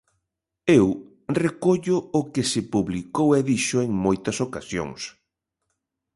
Eu recollo o que se publicou e dixo en moitas ocasións.